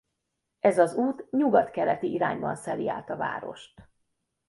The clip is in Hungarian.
Ez az út nyugat-keleti irányban szeli át a várost.